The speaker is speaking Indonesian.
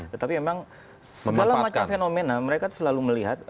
tetapi memang segala macam fenomena mereka selalu melihat